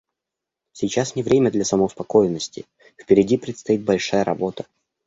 Сейчас не время для самоуспокоенности; впереди предстоит большая работа.